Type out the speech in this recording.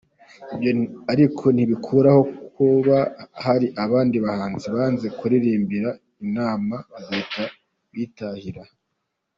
Ibyo ariko ntibikuraho kuba hari abandi bahanzi banze kuririmbira inama bagahita bitahira.